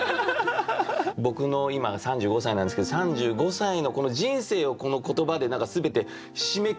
僕の今３５歳なんですけど３５歳のこの人生を言葉で何か全て締めくくった感も。